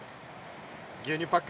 牛乳パック。